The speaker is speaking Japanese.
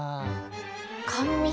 甘味。